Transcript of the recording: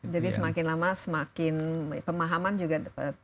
jadi semakin lama semakin pemahaman juga